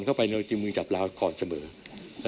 เข้าไปเนินสมีจาบราวตัวหนังเส่อ